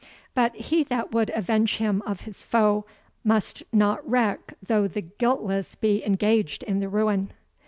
But he that would avenge him of his foe must not reck though the guiltless be engaged in the ruin."